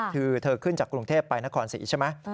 คือเธอขึ้นจากกรุงเทพไปนครศรีใช่ไหม